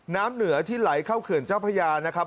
น้ำเหนือที่ไหลเข้าเขื่อนเจ้าพระยานะครับ